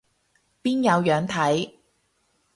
邊有樣睇